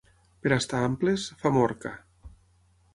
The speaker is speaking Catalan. Per estar amples, Famorca.